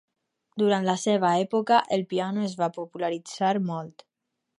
Durant la seva època, el piano es va popularitzar molt.